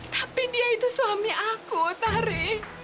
tapi dia itu suami aku tari